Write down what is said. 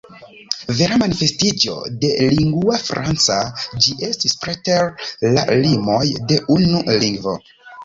Vera manifestiĝo de ”lingua franca” ĝi estis preter la limoj de unu lingvo.